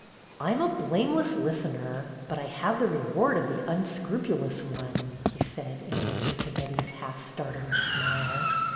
"I'm a blameless listener, but I have the reward of the unscrupulous one," he said, in answer tq Betty's half startled smile.